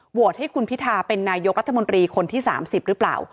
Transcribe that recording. ให้คุณพิทาเป็นนายกรัฐมนตรีคนที่๓๐หรือเปล่า